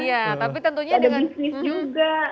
ada bisnis juga